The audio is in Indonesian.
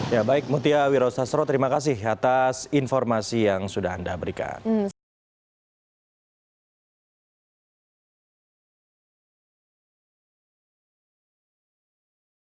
ya baik mutia wiro sastro terima kasih atas informasi yang sudah anda berikan